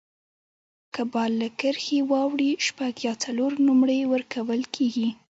که بال له کرښي واوړي، شپږ یا څلور نومرې ورکول کیږي.